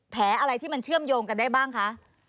แผลอะไรที่มันเชื่อมโยงกันได้บ้างคะ